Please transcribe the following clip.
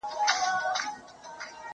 زه اجازه لرم چي ښوونځی ته ولاړ سم!؟